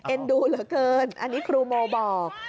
ดูเหลือเกินอันนี้ครูโมบอก